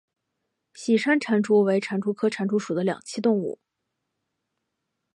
喜山蟾蜍为蟾蜍科蟾蜍属的两栖动物。